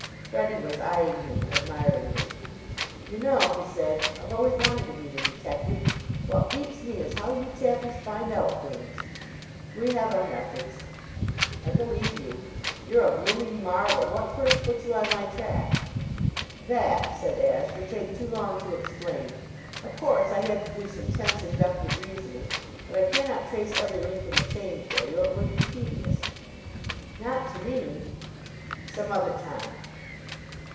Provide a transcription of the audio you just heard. Freddie was eyeing him admiringly. "You know," he said, "I've always wanted to meet a detective. What beats me is how you chappies find out things." "We have our methods." "I believe you. You're a blooming marvel! What first put you on my track?" "That," said Ashe, "would take too long to explain. Of course I had to do some tense inductive reasoning; but I cannot trace every link in the chain for you. It would be tedious." "Not to me." "Some other time."